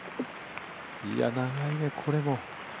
長いね、これも。